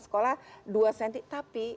sekolah dua cm tapi